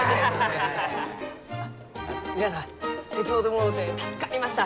皆さん手伝うてもろうて助かりました！